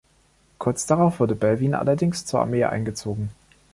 Kurz darauf wurde Belvin allerdings zur Armee eingezogen.